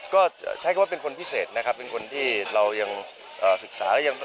ก็ใช้คำว่าเป็นคนพิเศษนะครับเป็นคนที่เรายังศึกษาแล้วยัง